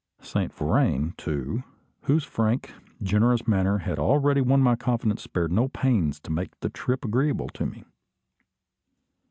Saint Vrain, too, whose frank, generous manner had already won my confidence, spared no pains to make the trip agreeable to me.